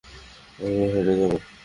আমরা হেঁটে যাব।